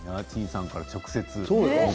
陳さんから直接。